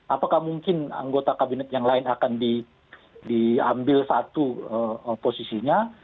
apakah mungkin anggota kabinet yang lain akan diambil satu posisinya